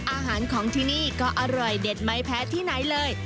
อาหารของที่นี่ก็อร่อยเด็ดไม่แพ้ที่ไหนเลย